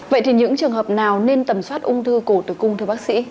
vậy thì những trường hợp nào nên tầm soát ung thư cổ tử cung thưa bác sĩ